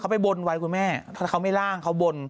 ไปบนไว้คุณแม่ถ้าเขาไม่ล่างเขาบน